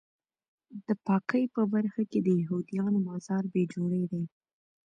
د پاکۍ په برخه کې د یهودیانو بازار بې جوړې دی.